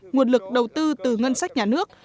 nguồn lực đầu tư từ ngân sách nhà nước